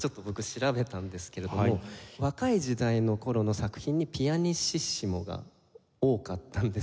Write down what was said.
調べたんですけれども若い時代の頃の作品にピアニッシッシモが多かったんです。